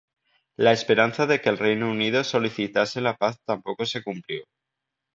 La esperanza de que el Reino Unido solicitase la paz tampoco se cumplió.